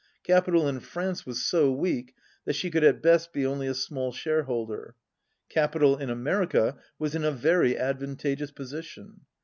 Capital in France was so weak, that she could at best be only a small shareholder. Capital in America was in a very advantageous position.